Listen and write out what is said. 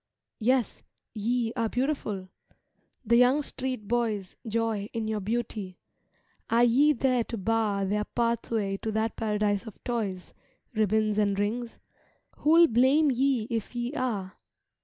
Yes, ye are beautiful. The young street boys Joy in your beauty. Are ye there to bar Their pathway to that paradise of toys, Ribbons and rings? Who'll blame ye if ye are?